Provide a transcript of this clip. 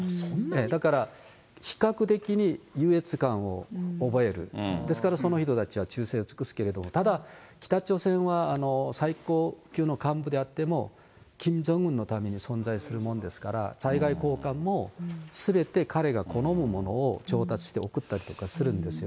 だから、比較的に優越感を覚える、だからその人たちは忠誠を尽くすけれども、ただ北朝鮮は最高級の幹部であっても、キム・ジョンウンのために存在するものですから、在外公館もすべて彼が好むものを調達して送ったりとかするんです